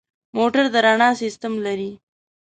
موټر د رڼا سیستم لري.